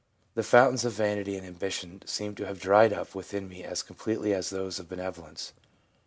The fountains of vanity and ambition seemed to have dried up within me as completely as those of benevolence.